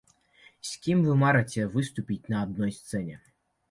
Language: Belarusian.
З кім вы марыце выступіць на адной сцэне?